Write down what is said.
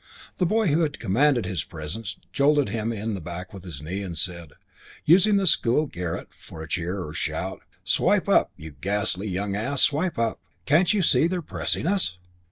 The boy who had commanded his presence jolted him in the back with his knee and said, using the school argot for to cheer or shout, "Swipe up, you ghastly young ass! Swipe up! Can't you see they're pressing us?"